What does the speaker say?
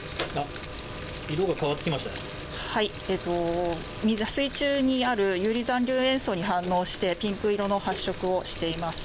あっ、はい、水中にある遊離残留塩素に反応してピンク色の発色をしています。